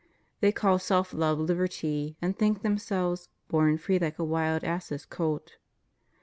They call self love liberty, and think themselves horn free like a wild ass's colt.